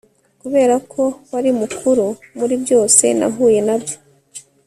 kuberako wari mukuru muri byose nahuye nabyo